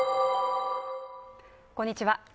こんにちは